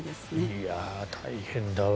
いや、大変だわ。